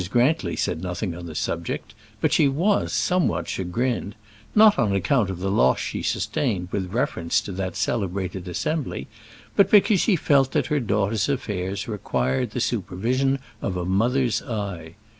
Grantly said nothing on the subject, but she was somewhat chagrined; not on account of the loss she sustained with reference to that celebrated assembly, but because she felt that her daughter's affairs required the supervision of a mother's eye.